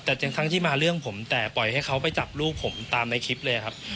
แต่ทั้งที่มาเรื่องผมแต่ปล่อยให้เขาไปจับลูกผมตามในคลิปเลยครับ